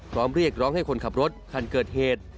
เรียกร้องให้คนขับรถคันเกิดเหตุ